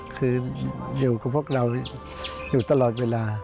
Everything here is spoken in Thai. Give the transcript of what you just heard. คืออยู่กับพวกเราอยู่ตลอดเวลา